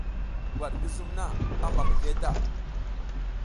Gwat ngi zum na, a mba mizliye ta.